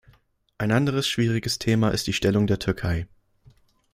Ein anderes schwieriges Thema ist die Stellung der Türkei.